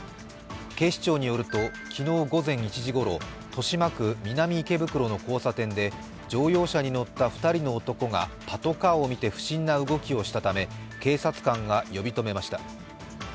警視庁によると、昨日午前１時ごろ豊島区南池袋の交差点で乗用車に乗った２人の男がパトカーを見て不審な動きをしたため警察官が呼び止めました。